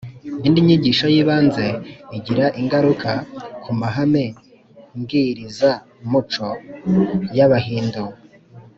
indi nyigisho y’ibanze igira ingaruka ku mahame mbwirizamuco y’abahindu